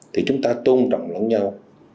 thì chúng ta tôn trọng lòng nhau